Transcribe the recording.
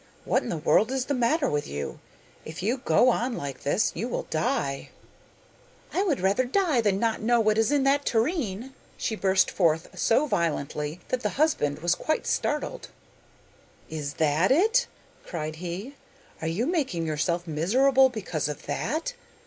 What in the world is the matter with you? If you go on like this you will die.' 'I would rather die than not know what is in that tureen,' she burst forth so violently that the husband was quite startled. 'Is that it?' cried he; 'are you making yourself miserable because of that?